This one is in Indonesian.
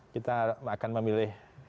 kita akan memilih